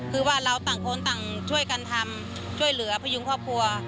คือว่าเราต่างคนต่างช่วยกันทำช่วยเหลือพยุงครอบครัว